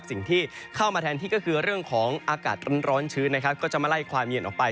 สิ่งที่เข้ามาแทนที่ก็คือเรื่องของอากาศร้อนชื้นนะครับก็จะมาไล่ความเย็นออกไป